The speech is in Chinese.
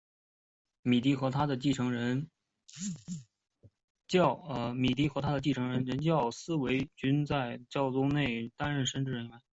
米迪和他的继任人教宗思维一世均在教宗才林任内担任神职人员。